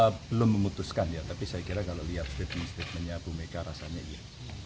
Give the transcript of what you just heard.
saya belum memutuskan ya tapi saya kira kalau lihat statement statementnya bu mega rasanya iya